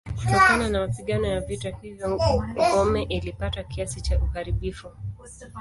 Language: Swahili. Kutokana na mapigano ya vita hivyo ngome ilipata kiasi cha uharibifu.